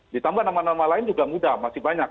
ditambah nama nama lain juga muda masih banyak